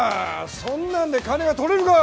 そんなんで金が取れるか。